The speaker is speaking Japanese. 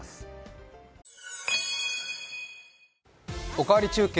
「おかわり中継」